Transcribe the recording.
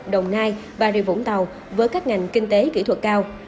đồng nai và rịa vũng tàu với các ngành kinh tế kỹ thuật cao